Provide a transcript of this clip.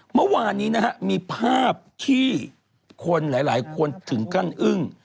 เมื่อวานนี้นะฮะมีภาพที่คนหลายคนถึงกั้นอึ้ง